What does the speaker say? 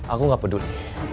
aku gak peduli